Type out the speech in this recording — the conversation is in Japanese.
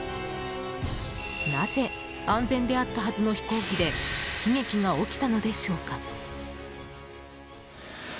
なぜ、安全であったはずの飛行機で悲劇が起きたのでしょうか？